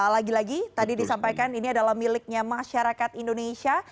lagi lagi tadi disampaikan ini adalah miliknya masyarakat indonesia